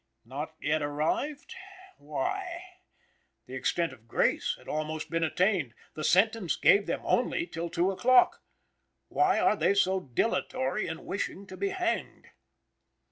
Not yet arrived. Why? The extent of grace has almost been attained. The sentence gave them only till two o'clock! Why are they so dilatory in wishing to be hanged?